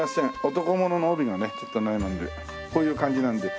男物の帯がねちょっとないもんでこういう感じなんで。